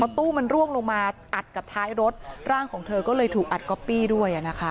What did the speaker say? ตู้มันร่วงลงมาอัดกับท้ายรถร่างของเธอก็เลยถูกอัดก๊อปปี้ด้วยอ่ะนะคะ